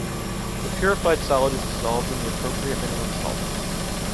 The purified solid is dissolved in the appropriate minimum solvent.